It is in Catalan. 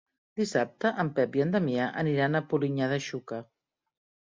Dissabte en Pep i en Damià aniran a Polinyà de Xúquer.